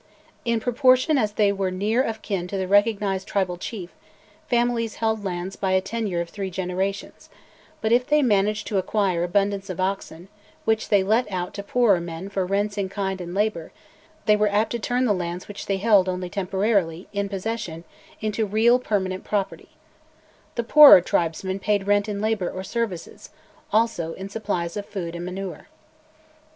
In proportion as they were near of kin to the recognised tribal chief, families held lands by a tenure of three generations; but if they managed to acquire abundance of oxen, which they let out to poorer men for rents in kind and labour, they were apt to turn the lands which they held only temporarily, "in possession," into real permanent property. The poorer tribesmen paid rent in labour or "services," also in supplies of food and manure.